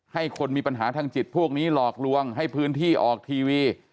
ให้คนมีปัญหาทางจิตพวกนี้หลอกลวงให้พื้นที่ออกทีวี